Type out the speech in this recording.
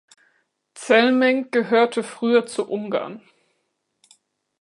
Szelmenc gehörte früher zu Ungarn.